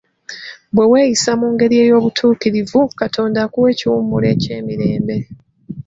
Bwe weeyisa mu ngeri ey'obutuukirivu Katonda akuwa ekiwummulo eky'emirembe.